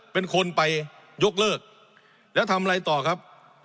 เป็นคนไปยกเลิกแล้วทำอะไรต่อครับ